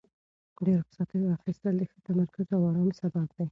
د رخصتیو اخیستل د ښه تمرکز او ارام سبب دی.